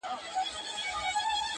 • څومره له حباب سره ياري کوي ـ